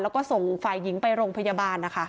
แล้วก็ส่งฝ่ายหญิงไปโรงพยาบาลนะคะ